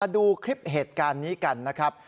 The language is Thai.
ดูคลิปเหตุการณ์นี้กันนะครับ